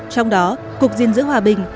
trong đó cục diên dữ hòa bình